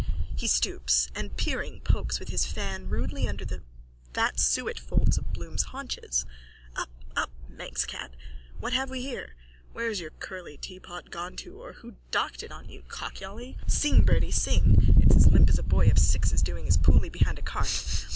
(He stoops and, peering, pokes with his fan rudely under the fat suet folds of Bloom's haunches.) Up! Up! Manx cat! What have we here? Where's your curly teapot gone to or who docked it on you, cockyolly? Sing, birdy, sing. It's as limp as a boy of six's doing his pooly behind a cart.